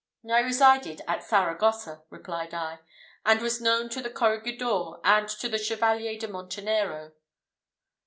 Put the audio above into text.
"I resided at Saragossa," replied I, "and was known to the corregidor, and to the Chevalier de Montenero."